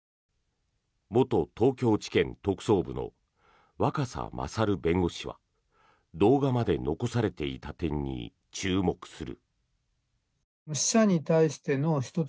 元東京地検特捜部の若狭勝弁護士は動画まで残されていた点に注目する。